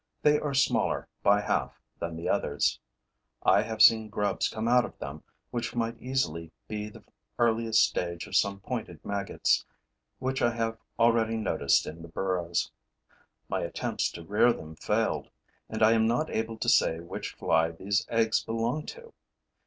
They are smaller by half than the others. I have seen grubs come out of them which might easily be the earliest stage of some pointed maggots which I have already noticed in the burrows. My attempts to rear them failed; and I am not able to say which fly these eggs belong to.